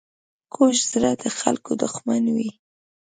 کوږ زړه د خلکو دښمن وي